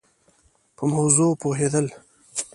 په موضوع پوهېد ل